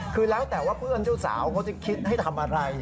คือหลังจากว่าเพื่อนเจ้าสาวก็จะคิดให้ทำอะไร